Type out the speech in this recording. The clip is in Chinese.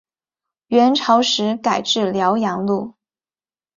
元朝时改置辽阳路。